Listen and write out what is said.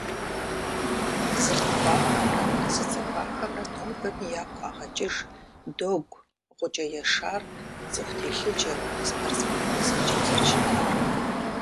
Зылъэгъуахэмрэ зыцӀыхуахэмрэ нобэми ягу къагъэкӀыж Догу-ГъукӀэ Яшар цӀыху телъыджэу, спортсмен гъуэзэджэу зэрыщытар.